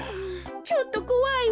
ちょっとこわいわ。